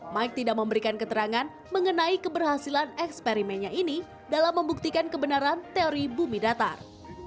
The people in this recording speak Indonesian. mike tidak memberikan keterangan mengenai keberhasilan eksperimennya ini dalam membuktikan kebenaran teori bumi datar